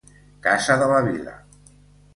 Casa de la Vila.